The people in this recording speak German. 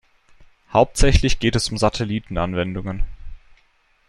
Hauptsächlich geht es um Satellitenanwendungen.